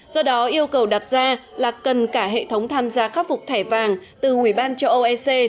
do đó yêu cầu đặt ra là cần cả hệ thống tham gia khắc phục thẻ vàng từ ủy ban cho oec